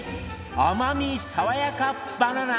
甘みさわやかバナナ！